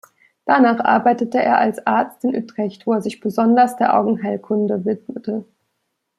Danach arbeitete er als Arzt in Utrecht, wo er sich besonders der Augenheilkunde widmete.